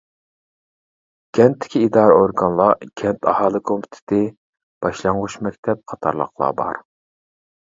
كەنتتىكى ئىدارە-ئورگانلار كەنت ئاھالە كومىتېتى، باشلانغۇچ مەكتەپ قاتارلىقلار بار.